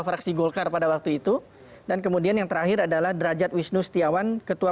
fraksi golkar pada waktu itu dan kemudian yang terakhir adalah derajat wisnu setiawan ketua